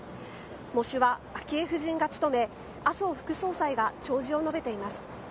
喪主は昭恵夫人が務め麻生副総裁が弔辞を述べています。